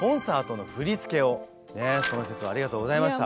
その節はありがとうございました。